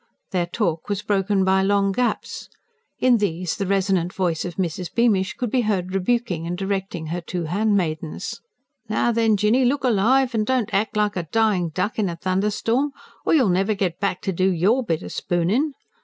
Their talk was broken by long gaps. In these, the resonant voice of Mrs. Beamish could be heard rebuking and directing her two handmaidens. "Now then, Jinny, look alive, an' don't ack like a dyin' duck in a thunderstorm, or you'll never get back to do YOUR bit o' spoonin'!